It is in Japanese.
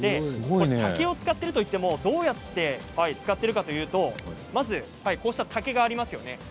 竹を使っているといってもどうやって使っているかというと竹がありますね。